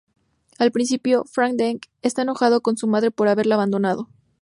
Al principio, Fang Deng está enojado con su madre por haberla abandonado.